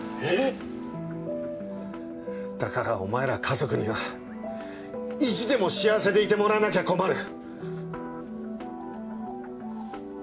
えっ⁉だからお前ら家族には意地でも幸せでいてもらわなきゃ困る。